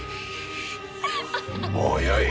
もうよい！